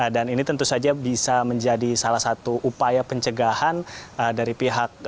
dan ini tentu saja bisa menjadi salah satu upaya pencegahan dari pihak